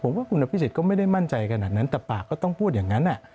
ผมว่าคุณอภิษฎก็ไม่ได้มั่นใจขนาดนั้นแต่ปากก็ต้องพูดอย่างนั้น